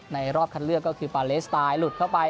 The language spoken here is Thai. รอบคันเลือกก็คือปาเลสไตล์หลุดเข้าไป